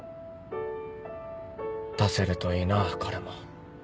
出せるといいな彼も。